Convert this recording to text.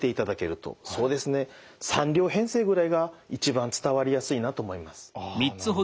そうですね３両編成ぐらいが一番伝わりやすいなと思います。